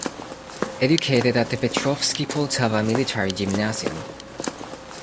Educated at the Petrovsky Poltava military gymnasium.